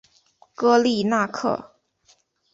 戈利纳克。